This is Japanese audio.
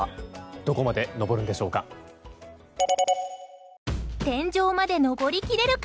どこまで登るんでしょうか。